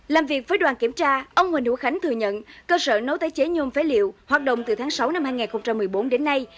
làm việc với đoàn kiểm tra ông huỳnh hữu khánh thừa nhận cơ sở nấu tái chế nhôm phế liệu hoạt động từ tháng sáu năm hai nghìn một mươi bốn đến nay